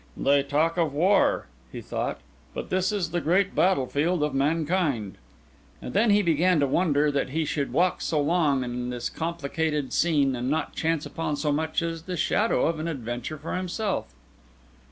"They talk of war," he thought, "but this is the great battlefield of mankind." And then he began to wonder that he should walk so long in this complicated scene, and not chance upon so much as the shadow of an adventure for himself.